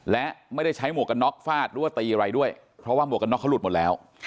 และไม่ได้ใช้หมวกกันน็อกฟาดหรือว่าตีอะไรด้วยเพราะว่าหมวกกันน็อกเขาหลุดหมดแล้ว